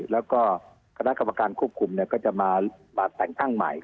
แล้วก็คณะกรรมการควบคุมก็จะมาแต่งตั้งใหม่